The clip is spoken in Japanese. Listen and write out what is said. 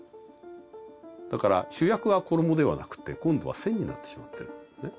だから主役は衣ではなくて今度は線になってしまってるんですね。